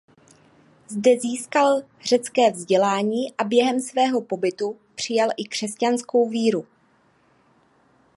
Zde získal řecké vzdělání a během svého pobytu přijal i křesťanskou víru.